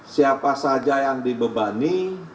siapa saja yang dibebani